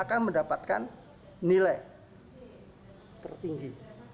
akan mendapatkan nilai tertinggi